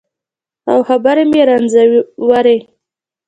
او خبرې مې رنځورې